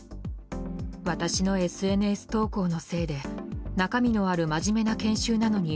私のＳＮＳ投稿のせいで中身のある真面目な研修なのに